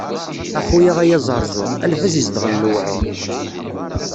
A xuya ay aẓerẓur, a lbaz izedɣen lewɛur.